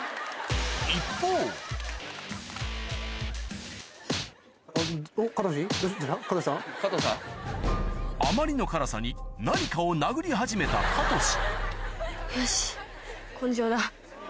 一方あまりの辛さに何かを殴り始めたかとしよし。